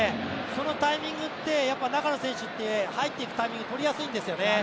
そのタイミングって中の選手って、入っていくタイミングが取りやすいんですよね。